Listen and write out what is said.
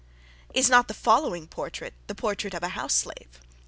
Is not the following portrait the portrait of a house slave?